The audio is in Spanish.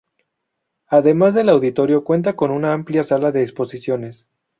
Además del auditorio cuenta con una amplia sala de exposiciones.